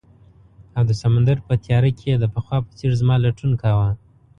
او د سمندر په تیاره کې یې د پخوا په څیر زما لټون کاؤه